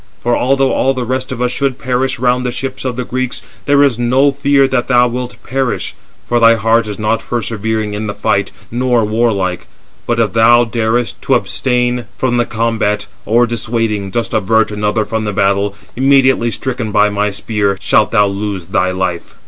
For although all the rest of us should perish round the ships of the Greeks, there is no fear that thou wilt perish, for thy heart is not persevering in the fight, nor warlike. But if thou darest to abstain from the combat, or dissuading, dost avert another from the battle, immediately stricken by my spear, shalt thou lose thy life."